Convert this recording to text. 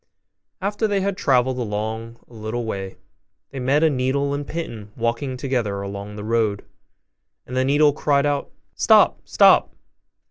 After they had travelled along a little way, they met a needle and a pin walking together along the road: and the needle cried out, 'Stop, stop!